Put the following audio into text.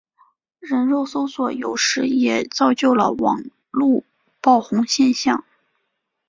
人肉搜索有时也造就了网路爆红现象。